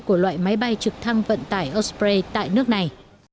của loại máy bay trực thăng vận tải osprey tại nước này